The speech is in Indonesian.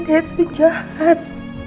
dia itu jahat